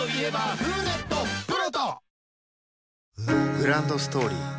グランドストーリー